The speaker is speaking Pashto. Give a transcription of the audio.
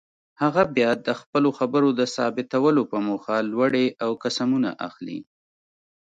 هغه بیا د خپلو خبرو د ثابتولو په موخه لوړې او قسمونه اخلي.